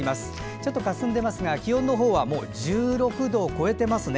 ちょっとかすんでますが気温の方は１６度を超えてますね。